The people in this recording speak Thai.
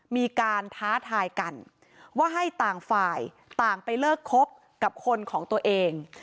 มีการท้าทายกันว่าให้ต่างฝ่ายต่างไปเลิกคบกับคนของตัวเอง